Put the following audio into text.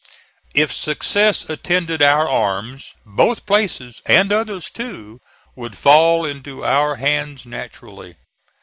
If success attended our arms both places, and others too, would fall into our hands naturally.